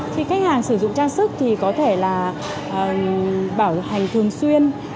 khi khách hàng sử dụng trang sức thì có thể là bảo hành thường xuyên